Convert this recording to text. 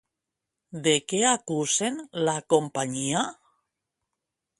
De què acusen la companyia?